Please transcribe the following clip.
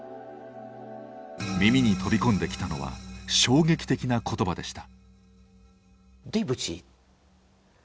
耳に飛び込んできたのは衝撃的な言葉でした。